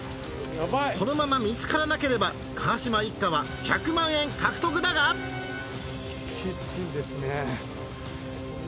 このまま見つからなければ川島一家は１００万円獲得だがキッチンですね。